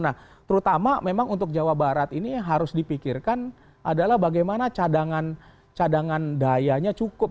nah terutama memang untuk jawa barat ini harus dipikirkan adalah bagaimana cadangan dayanya cukup